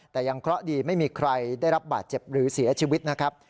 แต่ยังเคราะห์ดีไม่มีใครได้รับบาดเจ็บหรือเสียชีวิตนะครับ